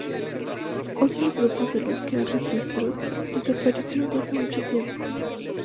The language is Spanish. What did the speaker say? Otros grupos de los que hay registros desaparecieron hace mucho tiempo.